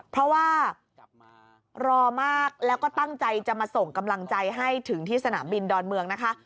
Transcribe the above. เพราะว่ารอมากแล้วก็ตั้งใจจะมาส่งกำลังใจให้ถึงที่สนามบินดอนเมืองนะคะ